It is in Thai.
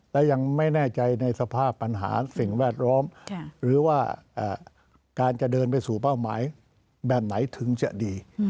และยังไม่แน่ใจในสภาพปัญหาสิ่งแวดล้อมหรือว่าการจะเดินไปสู่เป้าหมายแบบไหนถึงจะดี